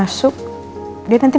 bajen kayak apa itu